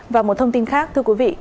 và một thông tin khác thưa quý vị